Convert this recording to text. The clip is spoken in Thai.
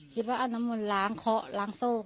คิดว่าน้ำนอนล้างเคราะห์ล้างโซค